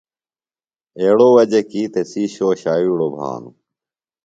ایڑوۡ وجہ کی تسی شو ݜاوِیڑوۡ بھانُوۡ۔